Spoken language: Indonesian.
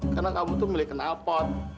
karena kamu tuh milik kenalpot